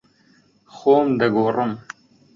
خۆم دەگۆڕم.